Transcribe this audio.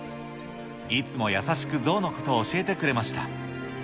いつも優しく象のことを教えてくれました。